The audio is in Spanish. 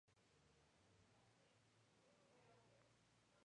Cumplió un año de condena antes de ser puesto en libertad.